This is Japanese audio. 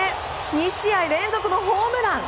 ２試合連続のホームラン！